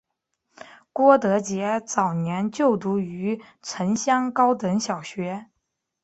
郭德洁早年就读于城厢高等小学。